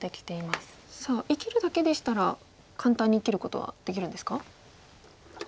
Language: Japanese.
さあ生きるだけでしたら簡単に生きることはできるんですか？